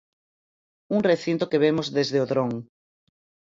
Un recinto que vemos desde o dron.